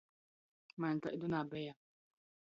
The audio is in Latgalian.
Maņ taidu nabeja.